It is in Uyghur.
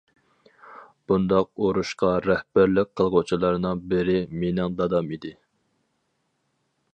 بۇنداق ئۇرۇشقا رەھبەرلىك قىلغۇچىلارنىڭ بىرى مېنىڭ دادام ئىدى.